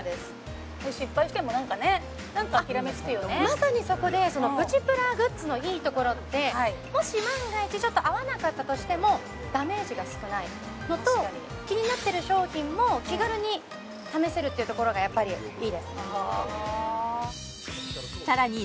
まさにそこでプチプラグッズのいいところってもし万が一ちょっと合わなかったとしてもダメージが少ないのと気になってる商品も気軽に試せるというところがやっぱりいいですね